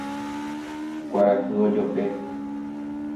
Kuarahy ojope